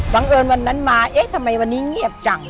เอิญวันนั้นมาเอ๊ะทำไมวันนี้เงียบจัง